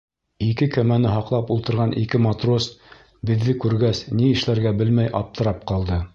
Ике кәмәне һаҡлап ултырған ике матрос, беҙҙе күргәс, ни эшләргә белмәй аптырап ҡалды.